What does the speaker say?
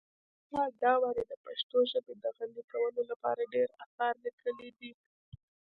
فرهاد داوري د پښتو ژبي د غني کولو لپاره ډير اثار لیکلي دي.